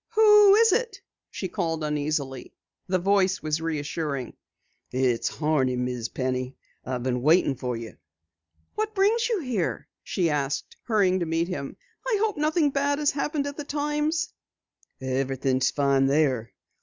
"Who is it?" she called uneasily. The voice was reassuring. "It's Horney, Miss Penny. I've been waitin' for you." "What brings you here?" she asked, hurrying to meet him. "I hope nothing bad has happened at the Times." "Everything's fine there.